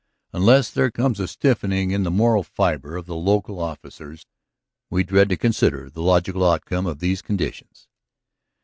Unless there comes a stiffening in the moral fiber of the local officers, we dread to consider the logical outcome of these conditions."